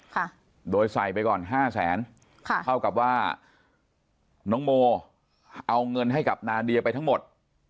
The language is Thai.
ค่ะโดยใส่ไปก่อนห้าแสนค่ะเท่ากับว่าน้องโมเอาเงินให้กับนาเดียไปทั้งหมด